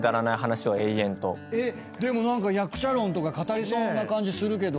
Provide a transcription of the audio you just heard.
でも何か役者論とか語りそうな感じするけど。